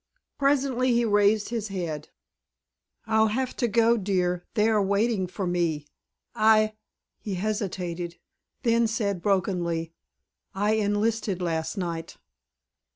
Presently he raised his head. "I'll have to go, dear. They are waiting for me. I"—he hesitated, then said brokenly,—"I enlisted last night."